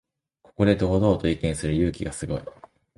ここで堂々と意見する勇気がすごい